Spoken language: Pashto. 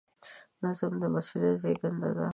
نظم د مسؤلیت زېږنده دی.